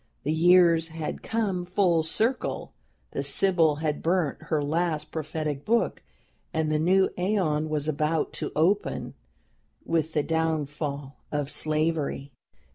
The years had "come full circle," the Sibyl had burnt her last prophetic book, and the new æon was about to open with the downfall of slavery.